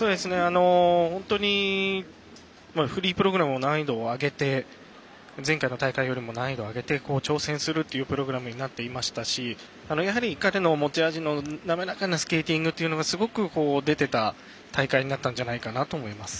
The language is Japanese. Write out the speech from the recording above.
本当にフリープログラムも前回の大会よりも難易度を上げて挑戦するというプログラムになっていましたしやはり彼の持ち味の滑らかなスケーティングというのがすごく出ていた大会になったんじゃないかなと思います。